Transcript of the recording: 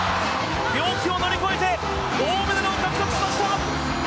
病気を乗り越えて銅メダルを獲得しました！